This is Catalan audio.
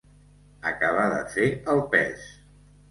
Acabar de fer el pes.